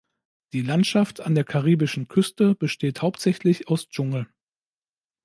Die Landschaft an der karibischen Küste besteht hauptsächlich aus Dschungel.